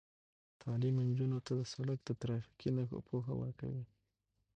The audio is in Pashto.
تعلیم نجونو ته د سړک د ترافیکي نښو پوهه ورکوي.